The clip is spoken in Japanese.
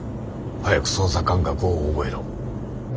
早く操作感覚を覚えろ。